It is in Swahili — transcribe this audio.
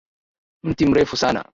Mti mrefu sana.